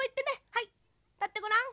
はいたってごらん。